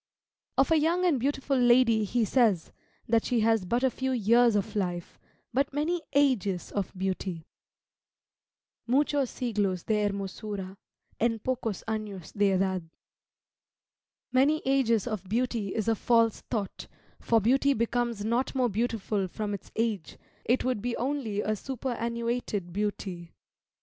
Of a young and beautiful lady he says, that she has but a few years of life, but many ages of beauty. "Muchos siglos de hermosura En pocos anos de edad." Many ages of beauty is a false thought, for beauty becomes not more beautiful from its age; it would be only a superannuated beauty.